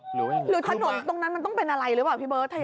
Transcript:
หรือถนนตรงนั้นมันต้องเป็นอะไรหรือเปล่าพี่เบิร์ต